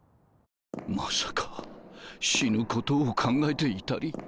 まさか死ぬことを考えていたり。